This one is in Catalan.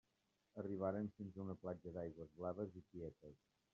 Arribaren fins a una platja d'aigües blaves i quietes.